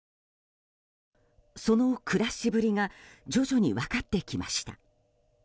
その暮らしぶりが徐々に分かってきました。